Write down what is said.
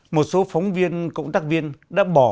một số phóng viên công tác viên đã bỏ